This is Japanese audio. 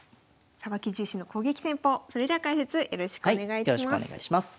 それでは解説よろしくお願いします。